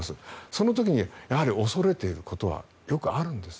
その時に恐れていることはよくあるんです。